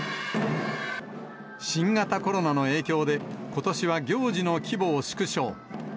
新型コロナの影響で、ことしは行事の規模を縮小。